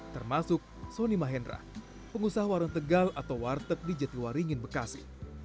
termasuk soni mahendra pengusaha warung tegal atau warteg di jatiwaringin bekasi